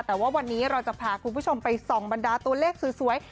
แต่ว่าวันนี้เราจะพาคุณผู้ชมไปส่องบรรดาตัวเลขสวย